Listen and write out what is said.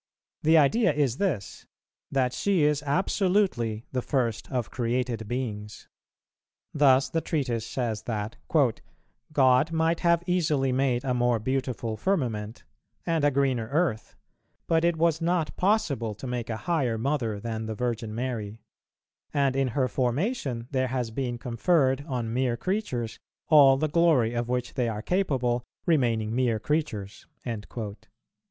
The idea is this, that she is absolutely the first of created beings. Thus the treatise says, that "God might have easily made a more beautiful firmament, and a greener earth, but it was not possible to make a higher Mother than the Virgin Mary; and in her formation there has been conferred on mere creatures all the glory of which they are capable, remaining mere creatures," p.